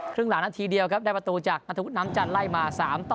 ครึ่งหลังนาทีเดียวครับได้ประตูจากนัทธวุฒิน้ำจันทร์ไล่มา๓ต่อ